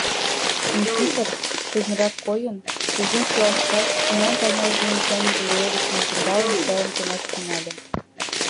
Никифор, шыдынрак койын, кугун шӱлалтышат, пунан парняж дене чайник леведышым темдалын, чайым темаш тӱҥале.